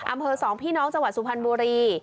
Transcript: อำเภอสองพี่น้องจังหวัดสุพรรณบุรี